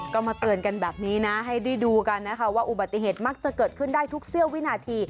ก็มาเตือนกันแบบนี้นะให้ได้ดูกันนะคะว่าอุบัติเหตุมักจะเกิดขึ้นได้ทุกเสี้ยววินาที